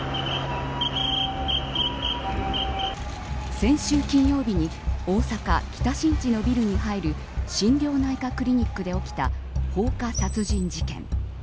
先週金曜日に大阪、北新地のビルに入る心療内科クリニックで起きた放火殺人事件。